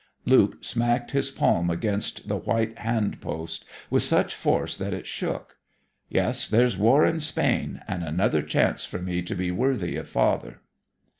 Luke smacked his palm against the white hand post with such force that it shook. 'Yes, there's war in Spain; and another chance for me to be worthy of father.'